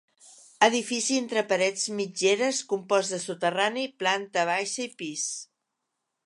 Edifici entre parets mitgeres, compost de soterrani, planta baixa i pis.